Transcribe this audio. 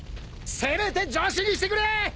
せめて女子にしてくれ！